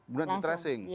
buat di tracing